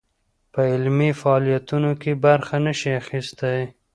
په علمي فعاليتونو کې برخه نه شي اخىستى